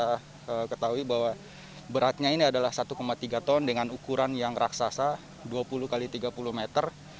kita ketahui bahwa beratnya ini adalah satu tiga ton dengan ukuran yang raksasa dua puluh x tiga puluh meter